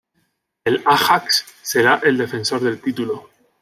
El Ajax será el defensor del título.